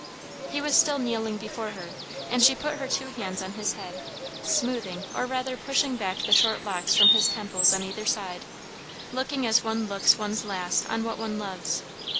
He was still kneeling before her, and she put her two hands on his head, smoothing or rather pushing back the short locks from his temples on either side, looking as one looks one's last on what one loves.